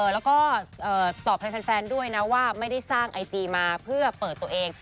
แล้วก็ตอบแทนแฟนด้วยนะว่าไม่ได้สร้างไอจีมาเพื่อเปิดตัวเอง